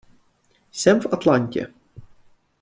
Jsem v Atlantě.